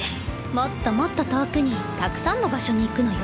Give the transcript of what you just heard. もっともっと遠くにたくさんの場所に行くのよ。